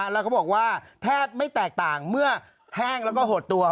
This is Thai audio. แล้วเขาบอกว่าแทบไม่แตกต่างเมื่อแห้งแล้วก็หดตัว